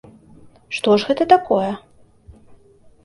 Што ж гэта такое?